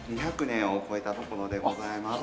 ２００年を超えたところでございます。